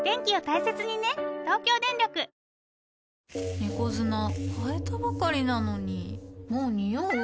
猫砂替えたばかりなのにもうニオう？